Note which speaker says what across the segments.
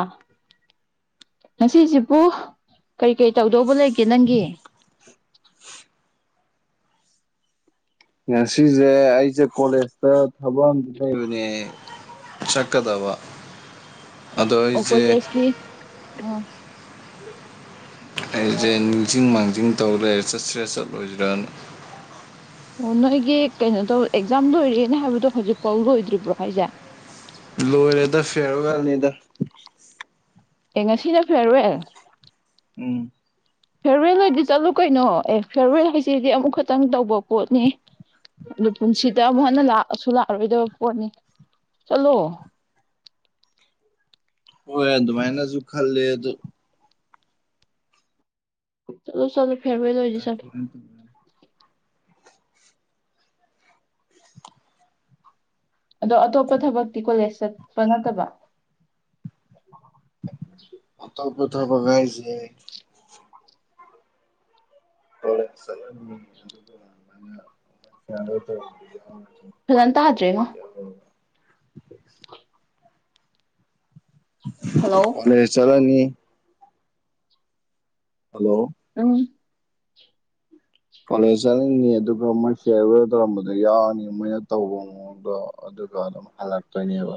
Speaker 1: ꯑ ꯉꯁꯤꯁꯤꯦ ꯄꯣ ꯀꯔꯤ ꯀꯔꯤ ꯇꯧꯗꯧꯕ ꯂꯩꯒꯦ ꯅꯪꯒꯤ [unintelligible]
Speaker 2: ꯉꯁꯤꯁꯦ ꯑꯩꯁꯦ ꯀꯣꯂꯦꯖꯇ ꯊꯕꯛ ꯑꯃ ꯂꯩꯕꯅꯦ ꯆꯠꯀꯗꯕ ꯑꯗꯣ ꯑꯩꯁꯦ
Speaker 1: ꯑꯣꯀꯂꯁꯀꯤ ꯑ
Speaker 2: ꯑꯩꯁꯦ ꯅꯤꯡꯁꯤꯡ ꯃꯥꯡꯖꯤꯡ ꯇꯧꯔꯦ ꯆꯠꯁꯤꯔꯥ ꯆꯠꯂꯣꯏꯁꯤꯔꯅ
Speaker 1: ꯑꯣ ꯅꯣꯏꯒꯤ ꯀꯩꯅꯣ ꯇꯧ ꯑꯦꯛꯖꯥꯝ ꯂꯣꯏꯔꯦꯅ ꯍꯥꯏꯕꯗꯣ ꯍꯧꯖꯤꯛꯐꯥꯎ ꯂꯣꯏꯗ꯭ꯔꯤꯕ꯭ꯔꯣ ꯍꯥꯏꯁꯦ
Speaker 2: ꯅꯤꯗ
Speaker 1: ꯑꯦ ꯉꯁꯤꯅ ꯐꯤꯔꯋꯦꯜ
Speaker 2: ꯎꯝ
Speaker 1: ꯐꯦꯔꯋꯦꯜ ꯑꯣꯏꯗꯤ ꯆꯠꯂꯨ ꯀꯩꯅꯣ ꯑꯦ ꯐꯦꯔꯋꯦꯜ ꯍꯥꯏꯁꯤꯗꯤ ꯑꯃꯨꯛ ꯈꯛꯇꯪ ꯇꯧꯕ ꯄꯣꯠꯅꯤ ꯑꯗꯨ ꯄꯨꯟꯁꯤꯗ ꯑꯃꯨꯛ ꯍꯟꯅ ꯂꯥꯛꯑꯁꯨ ꯂꯥꯛꯑꯔꯣꯏꯗꯕ ꯄꯣꯠꯅꯤ ꯆꯠꯂꯣ
Speaker 2: ꯍ‌ꯣꯏ ꯑꯗꯨꯃꯥꯏꯅꯁꯨꯨ ꯈꯔꯂꯦ ꯑꯗꯨ
Speaker 1: ꯆꯠꯂꯨ ꯆꯠꯂꯨ
Speaker 2: ꯑ ꯐ ꯇ [unintelligible]
Speaker 1: ꯑꯗꯣ ꯑꯇꯣꯞꯄ ꯊꯕꯛꯇꯤ ꯀꯣꯂꯦꯖ ꯆꯠꯄ ꯅꯠꯇꯕ
Speaker 2: ꯑ ꯇ ꯀꯊꯥꯕꯒꯥꯏꯁꯦ ꯍꯔꯦ ꯑꯗꯨ [inaudible]
Speaker 1: ꯐꯖꯟ ꯇꯥꯗ꯭ꯔ‌ꯦ ꯉ‌ꯣ
Speaker 2: ꯑ
Speaker 1: ꯍꯜꯂꯣ
Speaker 2: ꯀ‌ꯣꯂ‌ꯦꯁ ꯆꯠꯂꯅꯤ ꯍꯜꯂꯣ
Speaker 1: ꯎꯝ
Speaker 2: ꯀꯣꯂꯦꯖ ꯆꯠꯅꯤꯡꯉꯤ ꯑꯗꯨꯒ ꯃꯣꯏ ꯐꯤꯌꯥꯔ ꯋꯦꯜ ꯇꯧꯔꯝꯕꯗꯣ ꯌꯥꯎꯔꯅꯤ ꯃꯣꯏꯅ ꯇꯧꯕ ꯃꯑꯣꯡꯗꯣ ꯑꯗꯨꯒ ꯑꯗꯨꯝ ꯍꯜꯂꯛꯇꯣꯏꯅꯦꯕ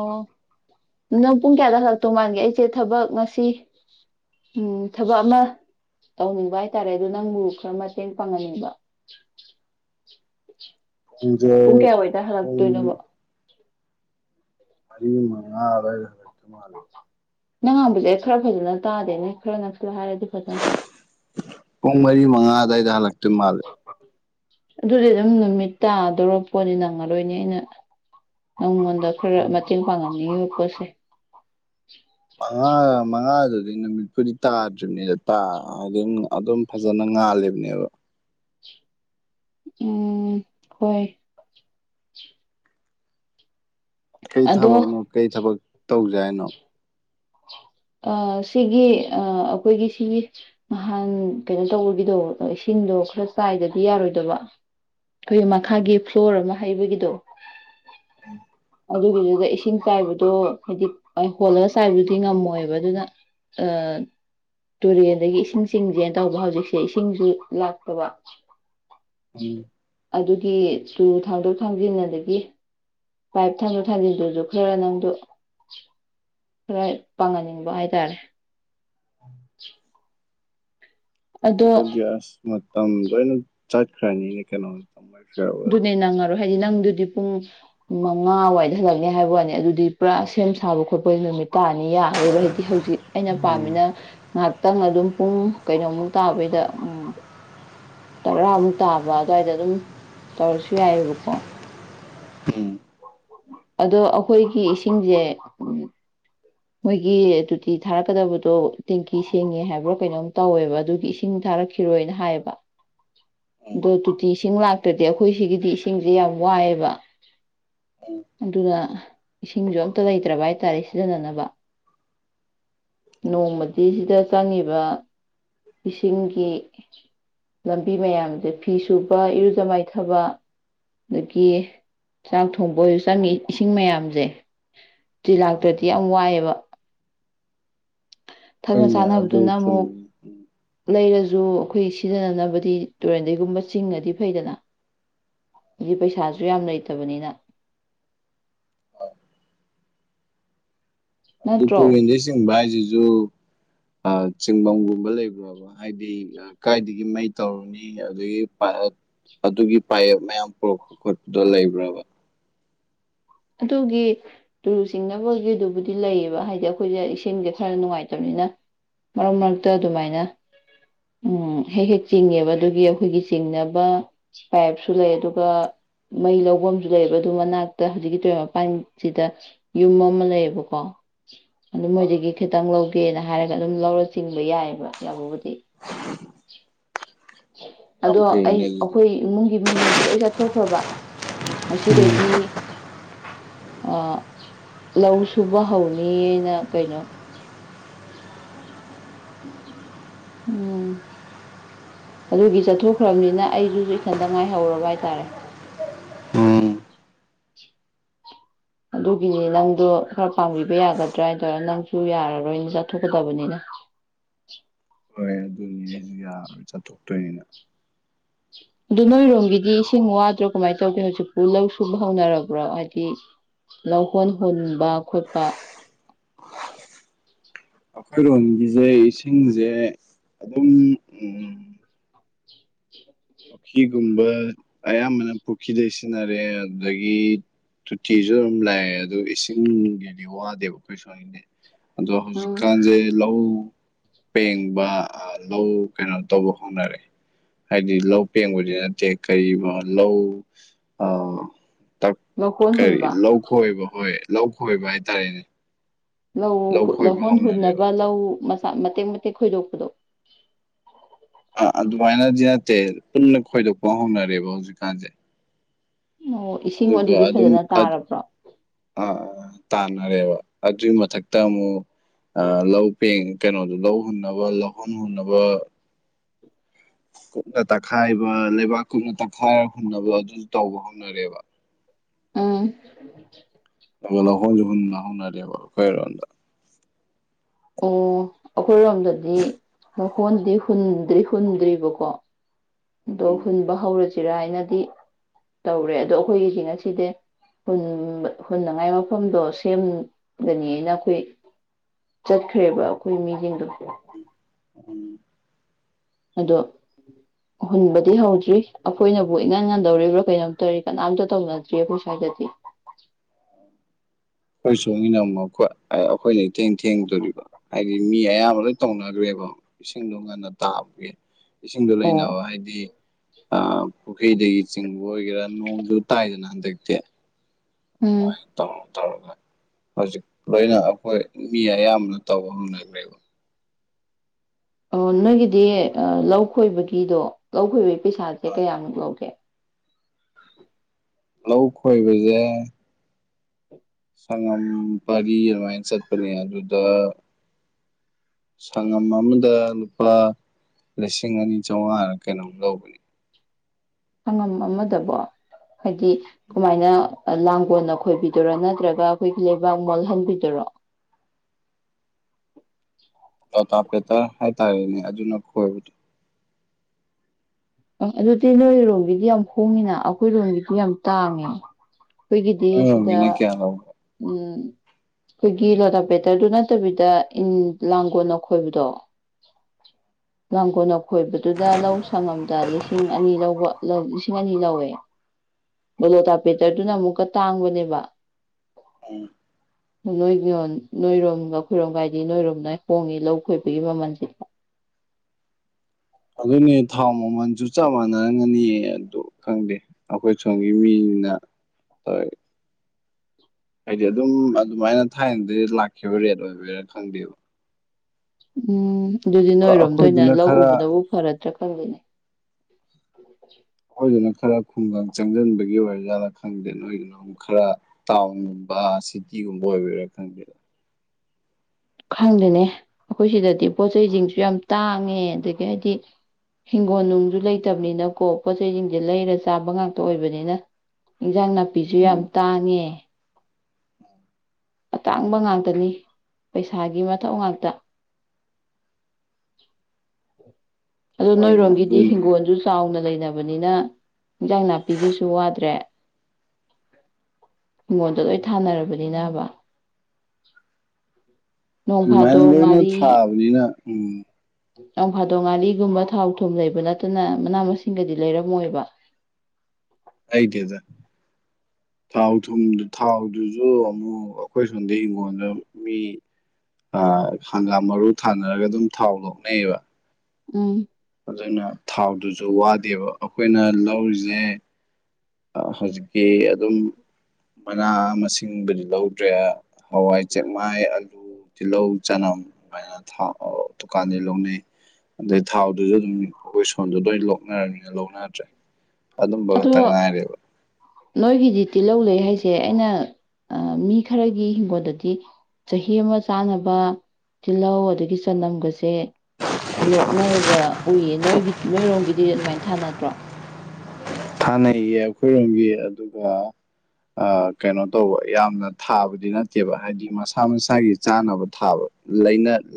Speaker 1: ꯑꯣ ꯅꯪ ꯄꯨꯡ ꯀꯌꯥꯗ ꯍꯜꯂꯛꯇꯧ ꯃꯥꯟꯒꯦ ꯑꯩꯁꯦ ꯊꯕꯛ ꯉꯁꯤ ꯎꯝ ꯊꯕꯛ ꯑꯃ ꯇꯧꯅꯤꯡꯕ ꯍꯥꯏꯇꯥꯔꯦ ꯑꯗꯨꯗꯣ ꯅꯪꯕꯨ ꯈꯔ ꯃꯇꯦꯡ ꯄꯥꯡꯍꯟꯅꯤꯡꯕ ꯄꯨꯡ ꯀꯌꯥꯋꯥꯏꯗ ꯍꯜꯂꯛꯇꯣꯏꯅꯣꯕ
Speaker 2: [inaudible] ꯃꯔꯤ ꯃꯉꯥ ꯑꯗꯨꯏꯗ ꯍꯂꯛ ꯇꯃꯜ
Speaker 1: ꯅꯪ ꯉꯥꯡꯕꯁꯦ ꯑꯩ ꯈꯔ ꯐꯖꯅ ꯇꯥꯗꯦꯅꯦ ꯈꯔ ꯅꯛꯁꯤꯜꯂ ꯍꯥꯏꯔꯗꯤ ꯐꯗ‌ꯣꯅꯤ
Speaker 2: ꯄꯨꯡ ꯃꯔꯤ ꯃꯉꯥꯗꯥꯏꯗ ꯍꯂꯛ ꯇ ꯃꯥꯜ
Speaker 1: ꯑꯗꯨꯗꯤ ꯑꯗꯨꯝ ꯅꯨꯃꯤꯠ ꯇꯥꯗꯧꯔꯕ ꯄꯣꯠꯅꯤ ꯅꯪꯉꯔꯣꯏꯅꯤ ꯑꯩꯅ ꯅꯪꯉꯣꯟꯗ ꯑꯗ ꯈꯔ ꯃꯇꯦꯡ ꯄꯥꯡꯉꯒ ꯏ ꯀꯁꯦ
Speaker 2: ꯃꯉꯥ ꯃꯉꯥ ꯑꯗꯨ ꯑꯗꯩ ꯅꯨꯃꯤꯠꯄꯨꯗꯤ ꯇꯥꯗ꯭ꯔꯤꯕꯅꯤꯗꯗꯤ ꯑꯗꯨꯝ ꯐꯖꯅ ꯉꯥꯜꯂꯤꯕꯅꯦꯕ
Speaker 1: ꯎꯝ ꯍꯣꯏ
Speaker 2: ꯀꯩ
Speaker 1: ꯑꯗꯣ
Speaker 2: ꯊꯕꯛꯅ ꯀꯩ ꯊꯕꯛ ꯇꯧꯖ ꯍꯥꯏꯅꯣ
Speaker 1: ꯁꯤꯒꯤ ꯑꯩꯈꯣꯏꯒꯤ ꯁꯤꯒꯤ ꯅꯍꯥꯟ ꯀꯩꯅꯣ ꯇꯧꯕꯒꯤꯗꯣ ꯏꯁꯤꯡꯗꯣ ꯈꯔ ꯆꯥꯏꯗꯕꯤ ꯌꯥꯔꯣꯏꯗꯕ ꯑꯩꯈꯣꯏꯒꯤ ꯃꯈꯥꯒꯤ ꯐ꯭ꯂꯣꯔ ꯑꯃ ꯍꯥꯏꯩꯕꯒꯤꯗꯣ
Speaker 2: ꯎꯝ
Speaker 1: ꯑꯗꯨꯒꯤꯗꯨꯗ ꯏꯁꯤꯡ ꯆꯥꯏꯕꯗꯣ ꯍꯥꯏꯗꯤ ꯍꯣꯜꯂ ꯆꯥꯏꯕꯗꯨꯗꯤ ꯉꯝꯃꯣꯏꯕ ꯕ ꯑꯗꯨꯅ ꯇꯨꯔꯦꯟꯗꯒꯤ ꯏꯁꯤꯡ ꯆꯤꯡꯖꯦꯅ ꯇꯧꯕ ꯍꯧꯖꯤꯛꯁꯦ ꯏꯁꯤꯡꯖꯨ ꯂꯥꯛꯇꯕ
Speaker 2: ꯎꯝ
Speaker 1: ꯒꯤ ꯇꯨꯂꯨ ꯊꯥꯡꯗꯣꯛ ꯊꯥꯡꯖꯤꯟ ꯑꯗꯒꯤ ꯄꯥꯏꯞ ꯊꯥꯡꯗꯣꯛ ꯊꯥꯖꯤꯟꯗꯨꯖꯨ ꯈꯔ ꯅꯪꯗꯣ ꯈꯔ ꯄꯥꯡꯍꯟꯅꯤꯡꯕ ꯍꯥꯏꯇꯥꯔꯦ [unintelligible] ꯑꯗꯣ
Speaker 2: ꯑꯒꯌ꯭ꯥꯁ ꯃꯇꯝ [unintelligible] ꯆꯠ ꯈ꯭ꯔꯅꯤꯅꯦ ꯀꯩꯅꯣ ꯃꯣꯏ ꯐꯤꯌꯔꯋꯦꯜ
Speaker 1: ꯕꯨꯅꯦ ꯅꯪꯉꯔꯣꯏ ꯍꯥꯏꯗꯤ ꯅꯪ ꯗꯨꯗꯤ ꯄꯨꯡ ꯃꯉꯥ ꯋꯥꯏꯗ ꯍꯜꯂꯛꯅꯤ ꯍꯥꯏꯕ ꯋꯥꯅꯤ ꯑꯗꯨꯗꯤ ꯄꯨꯔꯥ ꯁꯦꯝ ꯁꯥꯕ ꯈꯣꯠꯄ ꯅꯨꯃꯤꯠ ꯇꯥꯔꯅꯤ ꯌꯥꯔꯣꯏꯕ ꯍꯥꯏꯗꯤ ꯍꯧꯖꯤꯛ ꯑꯩꯅ
Speaker 2: ꯎꯝ
Speaker 1: ꯄꯥꯝꯃꯤꯅ ꯉꯥꯏꯍꯥꯛꯇꯪ ꯑꯗꯨꯝ ꯄꯨꯡ ꯀꯩꯅꯣꯃꯨꯛ ꯇꯥꯕꯩꯗ ꯎꯝ ꯇꯔꯥꯃꯨꯛ ꯇꯥꯕ ꯑꯗꯨꯋꯥꯏꯗ ꯑꯗꯨꯝ ꯇꯧꯔꯁꯨ ꯌꯥꯏꯕꯥꯀꯣ
Speaker 2: ꯎꯝ
Speaker 1: ꯑꯗꯣ ꯑꯈꯣꯏꯒꯤ ꯏꯁꯤꯡꯖꯦ ꯎꯝ ꯃꯣꯏꯒꯤ ꯇꯨꯇꯤ ꯊꯥꯔꯛꯀꯗꯕꯗꯣ ꯇꯦꯡꯀꯤ ꯁꯦꯡꯉꯦ ꯍꯥꯏꯕ꯭ꯔꯥ ꯀꯩꯅꯣꯝ ꯇꯧꯋꯦꯕ ꯑꯗꯨꯒꯤ ꯏꯁꯤꯡ ꯊꯥꯔꯛꯈꯤꯔꯣꯏꯅ ꯍꯥꯏꯌꯦꯕ ꯗꯣ ꯇꯨꯇꯤ ꯁꯤ ꯁꯤꯡ ꯂꯥꯛꯇ꯭ꯔꯗꯤ ꯑꯈꯣꯏ ꯁꯤꯒꯤꯗꯤ ꯏꯁꯤꯡꯖꯦ ꯌꯥꯝ ꯋꯥꯏꯑꯕ ꯑꯗꯨꯅ ꯏꯁꯤꯡꯖꯨ ꯑꯝꯇ ꯂꯩꯇ꯭ꯔꯕ ꯍꯥꯏꯇꯥꯔꯦ ꯁꯤꯖꯤꯟꯅꯅꯕ ꯅꯣꯡꯃꯗꯤ ꯁꯤꯗ ꯆꯪꯉꯤꯕ ꯏꯁꯤꯡꯒꯤ ꯂꯝꯕꯤ ꯃꯌꯥꯝꯖꯦ ꯐꯤ ꯁꯨꯕ ꯏꯔꯨꯖ ꯃꯥꯏꯊꯕ ꯑꯗꯒꯤ ꯆꯥꯛ ꯊꯣꯡꯕ ꯑꯣꯏꯖꯨ ꯆꯪꯉꯤ ꯏꯁꯤꯡ ꯃꯌꯥꯝꯖꯦ ꯇꯤ ꯂꯥꯛꯇ꯭ꯔꯗꯤ ꯌꯥꯝ ꯋꯥꯏ [unintelligible] ꯊꯛꯅ
Speaker 2: ꯍꯣꯏꯅꯦ ꯑꯗꯨ
Speaker 1: ꯆꯥꯅꯕꯗꯨꯅ ꯑꯃꯨꯛ
Speaker 2: ꯆꯨꯝꯃꯤꯅꯦ
Speaker 1: ꯂꯩꯔꯁ ꯖꯨ ꯑꯈꯣꯏ ꯁꯤꯖꯟꯅꯅꯕꯗꯤ ꯇꯨꯔꯦꯟꯗꯩꯒꯨꯝꯕ ꯆꯤꯡꯉꯗꯤ ꯐꯩꯗꯅ [unintelligible] ꯄꯩꯁꯥꯖꯨ ꯌꯥꯝ ꯂꯩꯇꯕꯅꯤꯅ
Speaker 2: ꯑꯗꯨ
Speaker 1: ꯅꯠꯇ꯭ꯔꯣ
Speaker 2: ꯇꯨꯔꯦꯟꯗꯩ ꯆꯤꯡꯕ ꯍꯥꯏꯖꯤꯖꯨ ꯗꯨ ꯑꯥ ꯆꯤꯡꯕꯝꯒꯨꯝꯕ ꯂꯩꯕ꯭ꯔꯣꯕ ꯍꯥꯏꯗꯤ ꯀꯥꯏꯗꯒꯤ ꯃꯩ ꯇꯧꯔꯨꯅꯤ ꯑꯗꯒꯤ ꯑꯗꯨꯒꯤ ꯄꯥꯏꯌꯦꯞ ꯃꯌꯥꯝ ꯄꯨꯔꯛꯄ ꯈꯣꯠꯄꯗꯣ ꯂꯩꯕ꯭ꯔꯕ
Speaker 1: ꯑꯗꯨꯒꯤ ꯇꯨꯔꯨ ꯆꯤꯡꯅꯕꯒꯤꯗꯨꯕꯨꯗꯤ ꯂꯩꯌꯦꯕ ꯍꯥꯏꯗꯤ ꯑꯈꯣꯏꯖꯦ ꯏꯁꯤꯡꯖꯦ ꯈꯔ ꯅꯨꯡꯉꯥꯏꯇꯝꯅꯤꯅ ꯃꯔꯛ ꯃꯔꯛꯇ ꯑꯗꯨꯃꯥꯏꯅ ꯎꯝ ꯍꯦꯛ ꯍꯦꯛ ꯆꯤꯡꯉꯦꯕ ꯑꯗꯨꯒꯤ ꯑꯈꯣꯏꯒꯤ ꯆꯤꯡꯅꯕ ꯄꯥꯏꯞꯁꯨ ꯂꯩ ꯑꯗꯨꯒ ꯃꯩ ꯂꯕꯝꯖꯨ ꯂꯩꯑꯕ ꯑꯗꯨ ꯃꯅꯥꯛꯇ ꯍꯧꯖꯤꯛꯀꯤ ꯇꯨꯔꯦꯟ ꯃꯄꯥꯟꯁꯤꯗ ꯌꯨꯝ ꯑꯃ ꯂꯩꯌꯦꯕꯀꯣ ꯑꯗꯨ ꯃꯣꯏꯗꯒꯤ ꯈꯤꯇꯪ ꯂꯧꯒꯦꯅ ꯍꯥꯏꯔꯒ ꯑꯗꯨꯝ ꯂꯧꯔ ꯆꯤꯡꯕ ꯌꯥꯏꯑꯕ ꯌꯥꯕꯕꯨꯗꯤ
Speaker 2: ꯌꯥꯝ
Speaker 1: ꯑꯗꯣ ꯑꯩ
Speaker 2: ꯐꯩꯅꯦ ꯑꯗꯨꯗꯤ
Speaker 1: ꯑꯈꯣꯏ ꯏꯃꯨꯡꯒꯤ ꯃꯤꯖꯤꯡꯗꯨ ꯂꯣꯏ ꯆꯠꯊꯣꯛꯈ꯭ꯔꯕ ꯉꯁꯤꯗꯒꯤ ꯑ ꯂꯧ ꯁꯨꯕ ꯍꯧꯅꯤꯅ ꯀꯩꯅꯣ ꯎꯝ ꯑꯗꯨꯒꯤ ꯆꯠꯊꯣꯛꯈ꯭ꯔꯝꯅꯤꯅ ꯑꯩꯖꯨꯖꯨ ꯏꯊꯟꯇ ꯉꯥꯏꯍꯧꯔꯕ ꯍꯥꯏꯇꯥꯔꯦ
Speaker 2: ꯎꯝ
Speaker 1: ꯑꯗꯨꯒꯤꯅꯤ ꯅꯪꯗꯣ ꯈꯔ ꯄꯥꯡꯕꯤꯕ ꯌꯥꯒꯗ꯭ꯔꯥ ꯍꯥꯏ ꯇꯧꯔ ꯅꯪꯁꯨ ꯌꯥꯔꯔꯣꯏꯅ ꯆꯠꯊꯣꯛꯀꯗꯕꯅꯤꯅ
Speaker 2: ꯍꯣꯏ ꯑꯗꯨꯅꯤ ꯑꯩꯁꯨ ꯌꯥꯔꯔꯣꯏ ꯆꯠꯊꯣꯛꯇꯣꯏꯅꯤꯅ
Speaker 1: ꯑꯗꯨ ꯅꯣꯏꯔꯣꯝꯒꯤꯗꯤ ꯏꯁꯤꯡ ꯋꯥꯗ꯭ꯔꯣ ꯀꯃꯥꯏ ꯇꯧꯒꯦ ꯍꯧꯖꯤꯛꯄꯨ ꯂꯧ ꯁꯨꯕ ꯍꯧꯅꯔꯕ꯭ꯔꯣ ꯍꯥꯏꯗꯤ ꯂꯧ ꯍꯣꯟ ꯍꯨꯟꯕ ꯈꯣꯠꯄ
Speaker 2: ꯑꯈꯣꯏꯔꯣꯝꯒꯤꯖꯦ ꯏꯁꯤꯡꯖꯦ ꯑꯗꯨꯝ ꯎꯝ ꯄꯨꯈ꯭ꯔꯤꯒꯨꯝꯕ ꯑꯌꯥꯝꯕꯅ ꯄꯨꯈ꯭ꯔꯤꯗ ꯁꯤꯖꯤꯟꯅꯔꯦ ꯑꯗꯨꯗꯒꯤ ꯇꯣꯇꯤꯁꯨ ꯑꯗꯨꯝ ꯂꯥꯛꯑꯦ ꯑꯗꯨ ꯏꯁꯤꯡꯒꯤꯗꯤ ꯋꯥꯗꯦꯕ ꯑꯩꯈꯣꯏ ꯁ꯭ꯋꯥꯏꯗ ꯑꯗꯣ
Speaker 1: ꯎꯝ
Speaker 2: ꯍꯧꯖꯤꯛꯀꯥꯟꯁꯦ ꯂꯧ ꯄꯦꯡꯕ ꯂꯧ ꯀꯩꯅꯣ ꯇꯧꯕ ꯍꯣꯠꯅꯔꯦ ꯍꯥꯏꯗꯤ ꯂꯧ ꯄꯦꯡꯕꯗꯤ ꯅꯠꯇꯦ ꯀ ꯂꯧ ꯑ
Speaker 1: ꯂꯧꯍꯣꯟ
Speaker 2: ꯀꯔꯤ
Speaker 1: ꯍꯨꯟꯕ
Speaker 2: ꯂꯧꯈꯣꯏꯕꯣ ꯍꯣꯏ ꯂꯧ ꯈꯣꯏꯕ ꯍꯥꯏꯇꯥꯔꯦꯅꯦ
Speaker 1: ꯂꯧ
Speaker 2: ꯈꯣꯏꯕ
Speaker 1: ꯂꯧꯍꯣꯟ
Speaker 2: ꯍꯧꯅꯔꯦꯕ
Speaker 1: ꯍꯨꯟꯅꯅꯕ ꯂꯧ ꯃꯇꯦꯛ ꯃꯇꯦꯛ ꯈꯣꯏꯗꯣꯛꯄꯗꯣ
Speaker 2: ꯑꯥ ꯑꯗꯨꯃꯥꯏꯅꯗꯤ ꯅꯠꯇꯦ ꯄꯨꯟꯅ ꯈꯣꯏꯗꯣꯛꯄ ꯍꯧꯅꯔꯦꯕ ꯍꯧꯖꯤꯛꯀꯥꯟꯁꯦ
Speaker 1: ꯑꯣ ꯏꯁꯤꯡ
Speaker 2: ꯑꯗꯨꯒ
Speaker 1: ꯑꯗꯨꯗꯤ
Speaker 2: ꯑꯗꯨꯝ
Speaker 1: ꯐꯖꯅ
Speaker 2: ꯑꯗꯨ
Speaker 1: ꯇꯥꯔꯕ꯭ꯔꯣ
Speaker 2: ꯑꯥ ꯇꯥꯟꯅꯔꯦꯕ ꯑꯗꯨꯏ ꯃꯊꯛꯇ ꯑꯃꯨꯛ ꯂꯧ ꯄꯦꯡ ꯀꯩꯅꯣꯗꯨꯣ ꯂꯧꯍꯨꯟꯅꯕ ꯂꯧꯍꯟꯍꯨꯅꯕ ꯀꯨꯞꯅ ꯇꯛꯈꯥꯏꯕ ꯂꯩꯕꯥꯛ ꯀꯨꯞꯅ ꯇꯛꯈꯥꯏꯔ ꯍꯨꯟꯅꯕ ꯑꯗꯨꯁꯨ ꯇꯧꯕ ꯍꯧꯅꯔꯦꯕ
Speaker 1: ꯎꯝ
Speaker 2: ꯀꯔꯣꯗ
Speaker 1: ꯑꯣ ꯑꯩꯈꯣꯏꯔꯣꯝꯗꯗꯤ ꯃꯈꯣꯟꯗꯤ ꯍꯨꯟꯗ꯭ꯔꯤ ꯍꯨꯟꯗ꯭ꯔꯤꯕꯀꯣ ꯗ ꯍꯟ ꯍꯔ ꯆꯔꯥ ꯍꯥꯏꯅꯗꯤ ꯇꯧꯔꯦ ꯑꯗꯣ ꯑꯩꯈꯣꯏꯒꯤꯁꯤꯅ ꯁꯤꯗꯤ ꯍꯨꯟꯅꯉꯥꯏ ꯃꯐꯝꯗꯣ ꯁꯦꯝꯒꯅꯤꯅ ꯑꯩꯈꯣꯏ ꯆꯠꯈ꯭ꯔꯦꯕ ꯑꯩꯈꯣꯏ ꯃꯤꯁꯤꯡꯗꯣ
Speaker 2: ꯎꯝ
Speaker 1: ꯑꯗꯣ ꯍꯨꯟꯕꯗꯤ ꯍꯧꯗ꯭ꯔꯤ ꯑꯩꯈꯣꯏꯅꯕꯨ ꯏꯉꯥꯟ ꯉꯥꯟꯗꯧꯔꯤꯕ꯭ꯔꯥ ꯀꯩꯅꯣꯝꯇꯧꯔꯤ ꯀꯅꯥꯝꯇ ꯇꯧꯅꯗ꯭ꯔꯤ ꯑꯩꯈꯣꯏ ꯁ꯭ꯋꯥꯏꯗꯗꯤ
Speaker 2: ꯑꯩꯈꯣꯏ ꯁꯣꯡꯉꯅ ꯑꯃꯨꯛ ꯑꯩꯈꯣꯏ ꯂꯩ ꯊꯦꯡ ꯊꯦꯡꯗꯣꯔꯤꯕ ꯍꯥꯏꯗꯤ ꯃꯤ ꯑꯌꯥꯝꯕ ꯂꯣꯏ ꯇꯧꯅꯈ꯭ꯔꯦꯕ ꯏꯁꯤꯡꯗꯣ ꯉꯟꯅ ꯇꯥꯕꯒꯤ ꯏꯁꯤꯡꯗꯣ
Speaker 1: ꯑꯣ
Speaker 2: ꯂꯩꯅꯕ ꯍꯥꯏꯗꯤ ꯑ ꯄꯨꯈꯩꯗꯁꯤꯡ ꯑꯣꯏꯒꯦꯔꯥ ꯅꯣꯡꯁꯨ ꯇꯥꯏꯗꯅꯟ ꯆ ꯋꯥ
Speaker 1: ꯎꯝ
Speaker 2: ꯇꯣ ꯇꯧꯔꯒ ꯍꯧꯖꯤꯛ ꯂꯣꯏꯅ ꯑꯩꯈꯣꯏ ꯃꯤ ꯑꯌꯥꯝꯕꯅ ꯇꯧꯕ ꯉ ꯂꯩꯈ꯭ꯔꯦꯕ
Speaker 1: ꯑꯣ ꯅꯣꯏꯒꯤꯗꯤ ꯂꯧ ꯈꯣꯏꯕꯒꯤꯗꯣ ꯂꯧ ꯈꯣꯏꯕꯒꯤ ꯄꯁꯥꯁꯦ ꯀꯌꯥꯃꯨꯛ ꯂꯧꯒꯦ
Speaker 2: ꯂꯧ ꯈꯣꯏꯕꯁꯦ ꯁꯪꯉꯝ ꯄꯔꯤ ꯑꯗꯨꯃꯥꯏꯅ ꯆꯠꯄꯅꯦ ꯑꯗꯨꯗ ꯁꯪꯉꯝ ꯑꯃꯗ ꯂꯨꯄꯥ ꯂꯤꯁꯤꯡ ꯑꯅꯤ ꯆꯥꯝꯃꯉꯥꯅ ꯀꯩꯅꯣꯝ ꯂꯧꯕꯅꯤ
Speaker 1: ꯑꯪꯉꯝ ꯑꯃꯗꯕꯣ ꯍꯥꯏꯗꯤ ꯀꯃꯥꯏꯅ ꯂꯥꯡꯒꯣꯜꯅ ꯈꯣꯏꯕꯤꯗꯣꯏꯔꯣ ꯅꯠꯇ꯭ꯔꯒ ꯑꯩꯈꯣꯏꯒꯤ ꯂꯩꯕꯥꯛ ꯃꯣꯜꯍꯟꯕꯤꯗꯔꯣ
Speaker 2: ꯇ ꯇꯄꯦꯇꯔ ꯍꯥꯏꯇꯥꯔꯦꯅꯦ ꯑꯗꯨꯅꯈꯣꯏꯕ
Speaker 1: ꯑꯗꯨꯗꯤ ꯅꯣꯏꯔꯣꯝꯒꯤꯗꯤ ꯌꯥꯝ ꯍꯣꯡꯉꯤꯅ ꯑꯩꯈꯣꯏꯔꯣꯝꯒꯤꯗꯤ ꯌꯥꯝ ꯇꯥꯡꯉꯦ ꯑꯩꯈꯣꯏꯒꯤꯗꯤ ꯁꯤꯗ
Speaker 2: ꯅꯣꯏꯔꯣꯝꯒꯤꯅ ꯀꯌꯥ ꯂꯧꯕ
Speaker 1: ꯎꯝ ꯑꯩꯈꯣꯏꯒꯤ ꯂꯣꯂꯥꯄꯦꯇꯔꯗꯨ ꯅꯠꯇꯕꯤꯗꯟ ꯂꯥꯡꯒꯣꯜ ꯑꯈꯣꯏꯕꯗꯣ ꯂꯥꯡꯒꯣꯜ ꯑꯈꯣꯏꯕꯗꯨꯗ ꯂꯧ ꯁꯪꯉꯝ ꯂꯤꯁꯤꯡ ꯑꯅꯤ ꯂꯧꯕ ꯂꯤꯁꯤꯡ ꯑꯅꯤ ꯂꯧꯋꯦꯣ ꯦꯇꯔꯗꯨꯅ ꯑꯃꯨꯛꯀ ꯇꯥꯡꯕꯅꯦꯕ
Speaker 2: ꯎꯝ
Speaker 1: ꯅꯣꯏꯒꯤ ꯅꯣꯏꯔꯣꯝꯒ ꯈꯣꯏꯔꯣꯝꯒꯥꯏꯗꯤ ꯅꯣꯏꯔꯣꯝ ꯅꯣꯏ ꯍꯣꯡꯉꯤ ꯂꯧ ꯈꯣꯏꯕꯒꯤ ꯃꯃꯜꯁꯤꯗ
Speaker 2: ꯑꯗꯨꯅꯦ ꯊꯥꯎ ꯃꯃꯜꯁꯨ ꯆꯞ ꯃꯥꯟꯅꯔꯝꯒꯅꯤ ꯑꯗꯨ ꯈꯪꯗꯦ ꯑꯩꯈꯣꯏ ꯁꯣꯝꯒꯤ ꯃꯤꯅ ꯇꯧ ꯍꯥꯏꯗꯤ ꯑꯗꯨꯝ ꯑꯗꯨꯃꯥꯏꯅ ꯊꯥꯏꯅꯗꯤ ꯂꯥꯛꯈꯤꯕ ꯔꯦꯠ ꯑꯣꯏꯕꯔꯥ ꯈꯪꯗꯦꯕ
Speaker 1: ꯎꯝ ꯑꯗꯨꯗꯤ ꯅꯣꯏꯔꯣꯝꯗꯣꯏꯅ
Speaker 2: ꯑꯩꯈꯣꯏꯗꯨꯅ
Speaker 1: ꯂꯧ
Speaker 2: ꯈꯔ
Speaker 1: ꯎꯕꯗꯕꯨ ꯐꯔꯦ ꯀ
Speaker 2: ꯅꯗꯨꯅ ꯈꯔ ꯈꯨꯡꯒꯪ ꯆꯪꯁꯤꯟꯕꯒꯤ ꯑꯣꯏꯔꯖꯥꯠꯂ ꯈꯪꯗꯦ ꯅꯣꯏꯗꯨꯅ ꯑꯃꯨꯛ ꯈꯔ ꯇꯥꯎꯟꯒꯨꯝꯕ ꯁꯤꯇꯤꯒꯨꯝꯕ ꯑꯣꯏꯒꯦꯔꯥ ꯈꯪꯗꯦꯗ
Speaker 1: ꯈꯪꯗꯦꯅꯦ ꯑꯩꯈꯣꯏ ꯁꯤꯗꯗꯤ ꯄꯣꯠ ꯆꯩꯁꯤꯡꯁꯨ ꯌꯥꯝ ꯇꯥꯡꯉꯦ ꯑꯗꯒꯤ ꯍꯥꯏꯗꯤ ꯍꯤꯡꯒꯣꯜ ꯅꯨꯡꯁꯨ ꯂꯩꯇꯕꯅꯤꯅꯀꯣ ꯄꯣꯠ ꯆꯩꯁꯤꯡꯁꯦ ꯂꯩꯔ ꯆꯥꯕ ꯉꯥꯛꯇ ꯑꯣꯏꯕꯅꯤꯅ ꯏꯟꯖꯥꯡ ꯅꯥꯄꯤ ꯅꯨꯄꯤꯁꯨ ꯌꯥꯝ
Speaker 2: ꯎꯝ
Speaker 1: ꯇꯥꯡꯉꯦ ꯑꯇꯥꯡꯕ ꯉꯥꯛꯇꯅꯤ ꯄꯩꯁꯥꯒꯤ ꯃꯊꯧ ꯉꯥꯛꯇ ꯑꯗꯣ
Speaker 2: ꯍꯣꯏꯅꯦ
Speaker 1: ꯅꯣꯏꯔꯣꯝꯒꯤꯗꯤ
Speaker 2: ꯑꯗꯨꯅꯤ
Speaker 1: ꯍꯤꯡꯒꯣꯜꯁꯨ ꯆꯥꯎꯅ ꯂꯩ ꯊꯕꯅꯤꯅ ꯏꯟꯖꯥꯡ ꯅꯥꯄꯤꯒꯤꯁꯨ ꯋꯥꯗ꯭ꯔꯦ ꯍꯪꯉꯣꯟꯗ ꯂꯣꯏ ꯊꯥꯅꯔꯕꯅꯤꯅꯕ ꯎꯝ
Speaker 2: ꯑꯗꯨꯃꯥꯏꯅ ꯂꯣꯏꯅ ꯊꯥꯕꯅꯤꯅ ꯎꯝ
Speaker 1: ꯐꯥꯗꯣꯡ ꯉꯥꯂꯤꯒꯨꯝꯕ ꯊꯥꯎ ꯊꯨꯝ ꯂꯩꯕ ꯅꯠꯇꯅ ꯃꯅꯥ ꯃꯁꯤꯡꯒꯗꯤ ꯂꯩꯔꯝꯃꯣꯏꯕ
Speaker 2: ꯑꯩꯗꯤꯗ ꯊꯥꯎ ꯊꯨꯝ ꯊꯥꯎꯗꯨꯁꯨ ꯑꯃꯨꯛ ꯑꯩꯈꯣꯏ ꯁꯣꯝꯗ ꯍꯤꯡꯒꯣꯜꯗ ꯃꯤ ꯍꯪꯒꯥꯝ ꯃꯔꯨ ꯊꯥꯅꯔꯒ ꯑꯗꯨꯝ ꯊꯥꯎ ꯂꯧꯅꯩꯌꯦꯕ
Speaker 1: ꯎꯝ
Speaker 2: ꯑꯗꯨꯅ ꯊꯥꯎꯗꯨꯁꯨ ꯋꯥꯗꯦꯕ ꯑꯩꯈꯣꯏꯅ ꯂꯧꯔꯤꯁꯦ ꯍꯧꯖꯤꯛꯀꯤ ꯑꯗꯨꯝ ꯃꯅꯥ ꯃꯁꯤꯡꯕꯨꯗꯤ ꯂꯧꯗ꯭ꯔꯦ ꯍꯋꯥꯏ ꯆꯦꯛꯃꯥꯏ ꯑꯂꯨ ꯇꯤꯜꯍꯧ ꯆꯅꯝ ꯑꯗꯨꯃꯥꯏꯅ ꯗꯨꯀꯥꯟ ꯂꯧꯅꯦ ꯑꯗꯩ ꯊꯥꯎ ꯑꯗꯨꯁꯨ ꯑꯗꯨꯝ ꯑꯩꯈꯣꯏ ꯁꯣꯟꯁꯨ ꯂꯣꯏꯅ ꯂꯣꯛꯅꯔꯝꯅꯤ ꯂꯧꯅꯗ꯭ꯔꯦ ꯑꯗꯨꯝꯕ
Speaker 1: ꯑꯗꯣ
Speaker 2: ꯉꯦ
Speaker 1: ꯅꯣꯏꯒꯤꯗꯤ ꯇꯤꯜꯍꯧ ꯂꯩ ꯍꯥꯏꯁꯦ ꯑꯩꯅ ꯃꯤ ꯈꯔꯒꯤ ꯏꯤꯡꯒꯣꯜꯗꯗꯤ ꯆꯍꯤ ꯑꯃ ꯆꯥꯅꯕ ꯇꯤꯜꯍꯧ ꯑꯗꯒꯤ ꯆꯅꯝꯒꯁꯦ ꯂꯣꯛꯅꯕ ꯎꯏꯌꯦ ꯅꯣꯏꯒꯤ ꯅꯣꯏꯔꯣꯝꯒꯤꯗꯤ ꯑꯗꯨꯃꯥꯏꯅ ꯊꯥꯅꯗ꯭ꯔꯣ
Speaker 2: ꯊꯥꯅꯩꯌꯦ ꯑꯩꯈꯣꯏꯔꯣꯝꯒꯤ ꯑꯗꯨꯒ ꯑ ꯀꯩꯅꯣ ꯇꯧꯕ ꯌꯥꯝꯅ ꯊꯥꯕꯗꯤ ꯅꯠꯇꯦꯕ ꯍꯥꯏꯗꯤ ꯃꯁꯥ ꯃꯁꯥꯒꯤ ꯆꯥꯅꯕ ꯊꯥꯕ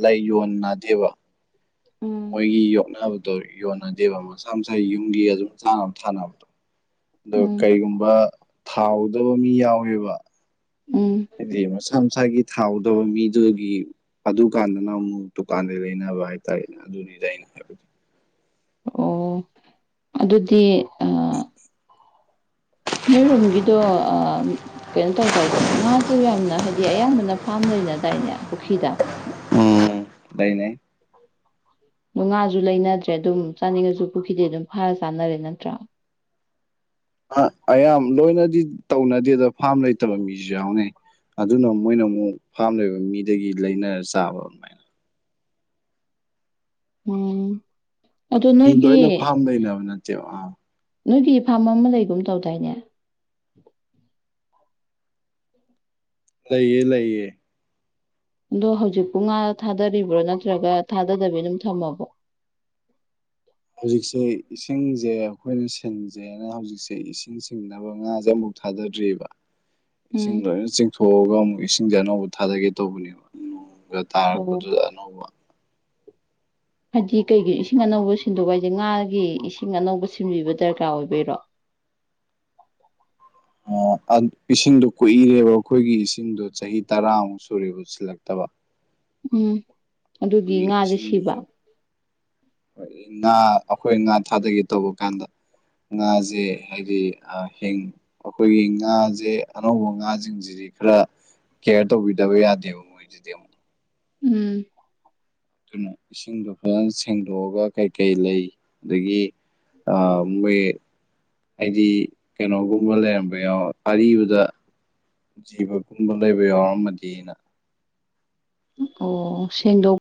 Speaker 2: ꯂꯩ ꯌꯣꯟꯅꯗꯦꯕ
Speaker 1: ꯎꯝ
Speaker 2: ꯃꯣꯏꯒꯤ ꯌꯣꯛꯅꯕꯗꯣ ꯌꯣꯟꯅꯗꯦꯕ ꯃꯁꯥ ꯃꯁꯥ ꯌꯨꯝꯒꯤ ꯑꯗꯨꯝ ꯆꯥꯅꯕ ꯊꯥꯅꯕꯗꯣ ꯑ
Speaker 1: ꯎꯝ
Speaker 2: ꯀꯩꯒꯨꯝꯕ ꯊꯥꯎ ꯑꯧꯕ ꯃꯤ ꯌꯥꯎꯋꯦꯕ
Speaker 1: ꯎꯝ
Speaker 2: ꯗꯤ ꯃꯁꯥ ꯃꯁꯥꯒꯤ ꯊꯥꯎ ꯑꯇꯧꯕ ꯃꯤꯗꯨꯒꯤ ꯑꯗꯨꯀꯥꯟꯗꯅ ꯑꯃꯨꯛ ꯗꯨꯀꯥꯟꯗ ꯂꯩꯅꯕ ꯍꯥꯏꯇꯥꯔꯦꯅꯦ ꯑꯗꯨꯅꯤꯗ ꯑꯩꯅ ꯍꯥꯏꯕꯗꯤ
Speaker 1: ꯑꯣ ꯑꯗꯨꯗꯤ ꯑ ꯅꯣꯏꯔꯣꯝꯒꯤꯗꯣ ꯀꯩꯅꯣ ꯇꯧꯗꯥꯏꯅꯦ ꯉꯥꯁꯨ ꯌꯥꯝꯅ ꯍꯥꯏꯗꯤ ꯑꯌꯥꯝꯕꯅ ꯐꯥꯔꯝ ꯂꯩꯅꯗꯥꯏꯅꯦ ꯄꯨꯈ꯭ꯔꯤꯗ
Speaker 2: ꯂꯩꯅꯩ
Speaker 1: ꯉꯥꯁꯨ ꯂꯩꯅꯗ꯭ꯔꯦ ꯑꯗꯨꯝ ꯆꯥꯅꯤꯡꯉꯁꯨ ꯄꯨꯈꯤꯗꯦ ꯑꯗꯨꯝ ꯐꯥꯔ ꯆꯥꯅꯔꯦ ꯅꯠꯇ꯭ꯔꯥ
Speaker 2: ꯑꯌꯥꯝ ꯂꯣꯏꯅꯗꯤ ꯇꯧꯅꯗꯦꯗ ꯐꯥꯔꯝ ꯂꯩꯇꯕ ꯃꯤꯁꯨ ꯌꯥꯎꯅꯩ ꯑꯗꯨꯅ ꯃꯣꯏꯅ ꯑꯃꯨꯛ ꯐꯥꯝ ꯂꯩꯕ ꯃꯤꯗꯒꯤ ꯂꯩꯅꯔ ꯆꯥꯕ ꯑꯗꯨꯃꯥꯏꯅ
Speaker 1: ꯎꯝ ꯑꯗꯣ
Speaker 2: ꯃꯤ
Speaker 1: ꯅꯣꯏꯒꯤ
Speaker 2: ꯂꯣꯏꯅ ꯐꯥꯝ ꯂꯩꯅꯕ ꯅꯠꯇꯦꯕ ꯑꯥ
Speaker 1: ꯅꯣꯏꯒꯤ ꯐꯥꯔꯝ ꯑꯃ ꯂꯩꯒꯨꯝ ꯇꯧꯗꯥꯏꯅꯦ
Speaker 2: ꯂꯩꯌꯦ ꯂꯩꯌꯦ
Speaker 1: ꯑꯗꯣ ꯍꯧꯖꯤꯛ ꯄꯨꯡ ꯉꯥ ꯊꯥꯗꯔꯤꯕ꯭ꯔꯣ ꯅꯠꯇ꯭ꯔꯒ ꯊꯥꯗꯗꯕꯤ ꯑꯗꯨꯝ ꯊꯝꯃꯕꯣ
Speaker 2: ꯍꯧꯖꯤꯛꯁꯦ ꯏꯁꯤꯡ ꯁꯦ ꯑꯩꯈꯣꯏꯅ ꯁꯤꯟꯁꯦꯅ ꯍꯧꯖꯤꯛꯁꯦ ꯏꯁꯤꯡ ꯆꯤꯟꯅꯕ ꯉꯥꯖꯦ ꯑꯃꯨꯛ ꯊꯥꯗꯗ꯭ꯔꯤꯑꯔꯤꯕ
Speaker 1: ꯎꯝ
Speaker 2: ꯏꯁꯤꯡ ꯂꯣꯏꯅ ꯆꯤꯡꯊꯣꯛꯑꯒ ꯑꯃꯨꯛ ꯏꯁꯤꯡꯖꯦ ꯑꯥꯅꯧꯕ ꯊꯥꯗꯒꯦ ꯇꯧꯕꯅꯦꯕ ꯅꫭꯡꯒ
Speaker 1: ꯑꯣ
Speaker 2: ꯇꯥꯔꯛꯄꯗꯨꯗ ꯑꯥꯅꯧꯕ
Speaker 1: ꯍꯥꯏꯗꯤ ꯀꯩꯒꯤ ꯏꯁꯤꯡ ꯑꯅꯧꯕ ꯁꯤꯟꯗꯣꯛꯄ ꯍꯥꯏꯁꯦ ꯉꯥꯒꯤ ꯏꯁꯤꯡ ꯑꯅꯧꯕ ꯁꯤꯟꯕꯤꯕ ꯗꯔꯀꯥꯔ ꯑꯣꯏꯕꯩꯔꯣ
Speaker 2: ꯑꯥ ꯏꯁꯤꯡꯗꯣ ꯀꯣꯛꯏꯔꯦꯕ ꯑꯩꯈꯣꯏꯒꯤ ꯏꯁꯤꯡꯗꯣ ꯆꯍꯤ ꯇꯔꯥꯃꯨꯛ ꯁꯨꯔꯦ ꯎꯁꯤꯜꯂꯛꯇꯕ
Speaker 1: ꯎꯝ ꯑꯗꯨꯒꯤ ꯉꯥꯖꯦ ꯁꯤꯕ
Speaker 2: ꯏꯁꯤꯡꯗꯨꯁꯨ ꯉꯥ ꯑꯩꯈꯣꯏ ꯉꯥ ꯊꯥꯗꯒꯦ ꯇꯧꯕ ꯀꯥꯟꯗ ꯉꯥꯁꯦ ꯍꯥꯏꯗꯤ ꯍꯦꯡ ꯑꯩꯈꯣꯏꯒꯤ ꯉꯥꯁꯦ ꯑꯅꯧꯕ ꯉꯥꯁꯤꯡꯁꯤꯗꯤ ꯈꯔ ꯀꯩꯅꫭ ꯇꯧꯕꯤꯗꯕ ꯌꯥꯗꯦꯕ ꯃꯣꯏꯁꯤꯗꯤ ꯑꯃꯨꯛ
Speaker 1: ꯎꯝ
Speaker 2: ꯑꯗꯨꯅ ꯏꯁꯤꯡꯗꯣ ꯐꯖꯅ ꯁꯦꯡꯗꯣꯛꯑꯒ ꯀꯩꯀꯩ ꯂꯩ ꯑꯗꯒꯤ ꯃꯣꯏ ꯍꯥꯏꯗꯤ ꯀꯩꯅꯣꯒꯨꯝꯕ ꯂꯩꯔꯝꯕ ꯌꯥꯎ ꯑꯔꯤꯕꯗ ꯖꯤꯕꯒꯨꯝꯕ ꯂꯩꯕ ꯌꯥꯎꯔꯝꯃꯗꯤ ꯑꯩꯅ
Speaker 1: ꯑꯣ ꯁꯦꯡꯗꯣꯛ